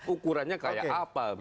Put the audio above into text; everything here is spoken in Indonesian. ukurannya kayak apa